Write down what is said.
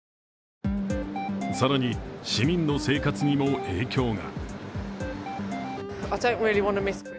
更に、市民の生活にも影響が。